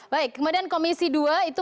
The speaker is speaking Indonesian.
baik kemudian komisi dua itu